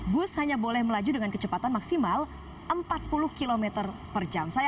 bus hanya boleh melaju dengan kecepatan maksimal empat puluh kilometer